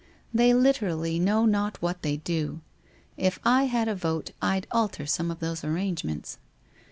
They literally know not what they do. If I had a vote I'd alter some of those arrangements.